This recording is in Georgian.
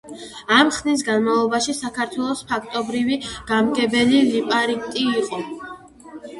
ამ ხნის განმავლობაში საქართველოს ფაქტობრივი გამგებელი ლიპარიტი იყო.